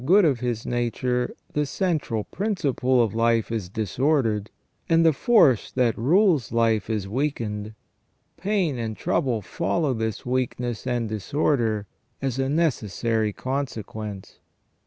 good of his nature the central principle of life is disordered, and the force that rules life is weakened ; pain and trouble follow this weakness and disorder as a necessary consequence.